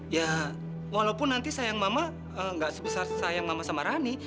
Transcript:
ya walaupun nanti sayang mama nggak sebesar sayang mama sama rani